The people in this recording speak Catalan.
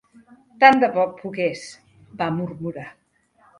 "Tant de bo pogués", va murmurar.